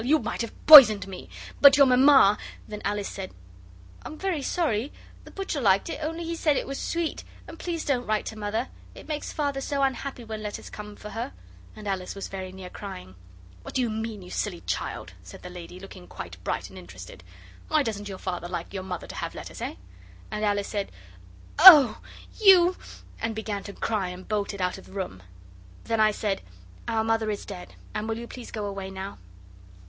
you might have poisoned me. But your Mamma...' Then Alice said, 'I'm very sorry; the butcher liked it, only he said it was sweet. And please don't write to Mother. It makes Father so unhappy when letters come for her!' and Alice was very near crying. 'What do you mean, you silly child?' said the lady, looking quite bright and interested. 'Why doesn't your Father like your Mother to have letters eh?' And Alice said, 'OH, you...!' and began to cry, and bolted out of the room. Then I said, 'Our Mother is dead, and will you please go away now?